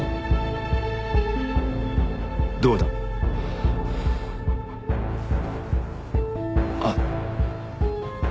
どうだ？あっ。